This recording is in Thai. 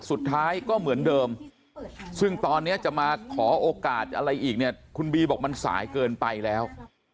สุดท้ายก็เหมือนเดิมซึ่งตอนนี้จะมาขอโอกาสอะไรอีกเนี่ยคุณบีบอกมันสายเกินไปแล้ว